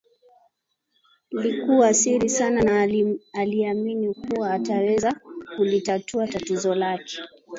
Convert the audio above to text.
likuwa siri sana na aliamini kuwa ataweza kulitatua tatizo lake